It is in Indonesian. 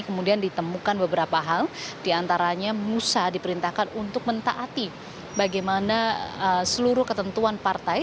kemudian ditemukan beberapa hal diantaranya musa diperintahkan untuk mentaati bagaimana seluruh ketentuan partai